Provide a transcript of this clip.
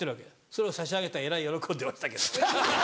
それを差し上げたらえらい喜んでましたけど。